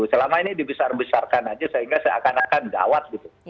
selama ini dibesar besarkan aja sehingga seakan akan gawat gitu